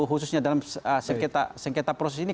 khususnya dalam sengketa proses ini